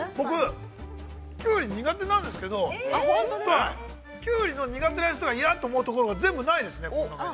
キュウリ苦手なんですけど、キュウリの苦手な人が嫌と思うところがないですね。